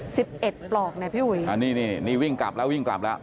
สิบเอ็ดปลอกนะพี่อุ๋ยอ่านี่นี่วิ่งกลับแล้ววิ่งกลับแล้ว